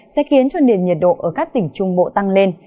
sẽ khiến cho nền nhiệt độ ở các tỉnh trung bộ tăng lên